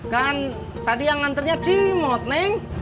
kan tadi yang nganternya cimot ning